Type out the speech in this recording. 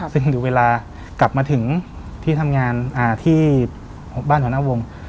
ซึ่งหรือเวลากลับมาถึงที่ทำงานที่บ้านหัวหน้าวง